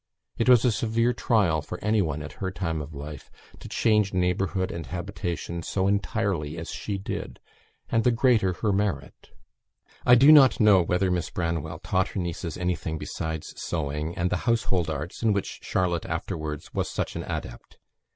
It was a severe trial for any one at her time of life to change neighbourhood and habitation so entirely as she did; and the greater her merit. I do not know whether Miss Branwell taught her nieces anything besides sewing, and the household arts in which Charlotte afterwards was such an adept.